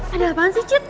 ada apaan sih cet